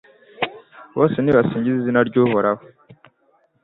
Bose nibasingize izina ry’Uhoraho